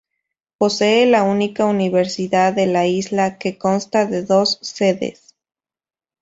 Posee la única universidad de la isla, que consta de dos sedes.